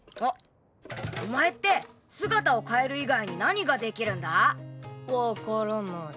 お前って姿を変える以外に何ができるんだ⁉わからない。